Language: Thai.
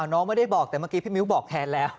น้องไม่ได้บอกแต่เมื่อกี้พี่มิ้วบอกแทนแล้ว